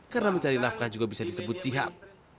karena mencari nafkah juga bisa disebut jihad